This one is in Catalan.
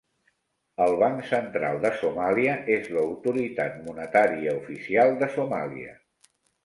El Banc Central de Somàlia és l'autoritat monetària oficial de Somàlia.